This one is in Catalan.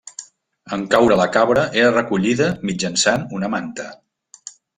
En caure la cabra era recollida mitjançant una manta.